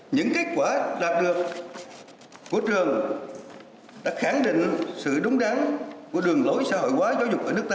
những kết quả đạt được của trường đã khẳng định sự đúng đắn của đường lối xã hội hóa giáo dục ở nước ta